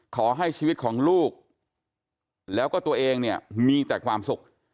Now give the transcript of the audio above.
ขอให้ชีวิตของลูกแล้วก็ตัวเองเนี่ยมีแต่ความสุข